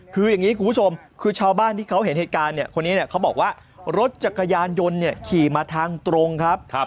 คุณผู้ชมชาวบ้านที่เขาเห็นเหตุการณ์คนนี้เขาบอกว่ารถจักรยานยนต์ขี่มาทางตรงนะครับ